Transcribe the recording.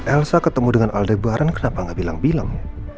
elsa ketemu dengan aldebaran kenapa gak bilang bilang